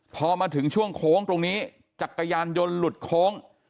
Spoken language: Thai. พอมาถึงช่วงโค้งตรงนี้จักรยานยนต์หลุดโค้ง